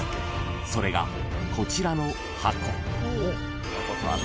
［それがこちらの箱］